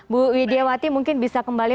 bu widiawati mungkin bisa kembali